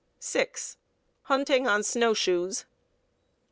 6. _Hunting on Snow shoes.